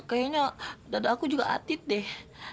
kayaknya dada aku juga atlet deh